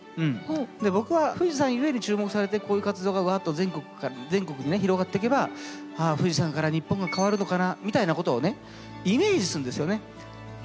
僕は富士山ゆえで注目されてこういう活動がわっと全国にね広がってけばああ富士山から日本が変わるのかなみたいなことをねイメージするんですよね。